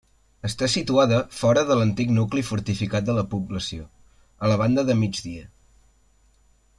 Està situada fora de l'antic nucli fortificat de la població, a la banda de migdia.